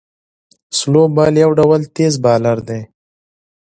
سلو بال یو ډول تېز بالر دئ.